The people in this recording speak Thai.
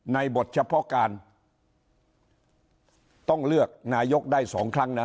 บทเฉพาะการต้องเลือกนายกได้สองครั้งนะ